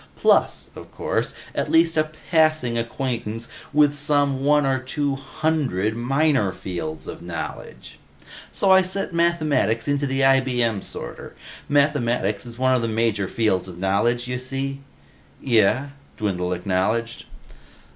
Plus, of course, at least a passing acquaintance with some one or two hundred minor fields of knowledge. "So I set Mathematics into the IBM sorter. Mathematics is one of the major fields of knowledge, you see." "Yeh," Dwindle acknowledged.